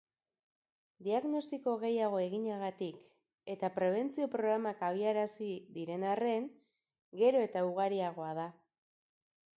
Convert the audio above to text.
Diagnostiko gehiago eginagatik eta prebentzio-programak abiarazi diren arren, gero eta ugariagoa da.